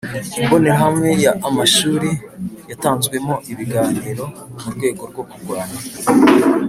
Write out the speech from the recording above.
Imbonerahamwe Ya Amashuri Yatanzwemo Ibiganiro Mu Rwego Rwo Kurwanya